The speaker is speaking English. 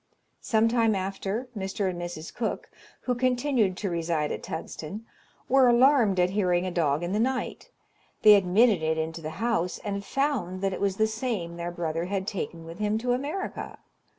Some time after, Mr. and Mrs. Cook, who continued to reside at Tugsten, were alarmed at hearing a dog in the night. They admitted it into the house, and found that it was the same their brother had taken with him to America.